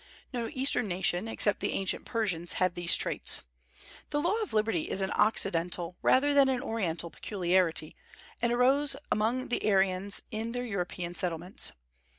No Eastern nation, except the ancient Persians, had these traits. The law of liberty is an Occidental rather than an Oriental peculiarity, and arose among the Aryans in their European settlements.